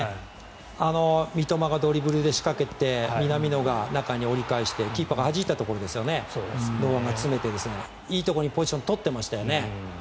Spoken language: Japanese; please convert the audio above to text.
三笘がドリブルで仕掛けて南野が中に折り返してキーパーがはじいたところで堂安が詰めていいところにポジション取ってましたよね。